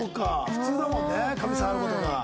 普通だもんね髪触る事が。